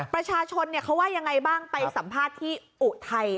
ประชาชนเขาว่ายังไงบ้างไปสัมภาษณ์ที่อุทัย